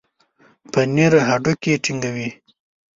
پنېر هډوکي ټينګوي.